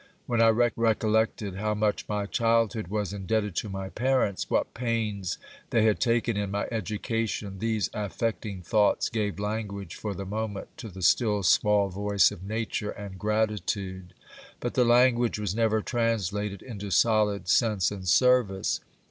When I recollected how much my childhood was indebted to my parents, what pains they had taken in my education, these affecting thoughts gave language for the moment to the still small voice of nature and gratitude ; but the language was never translated into solid sense and service.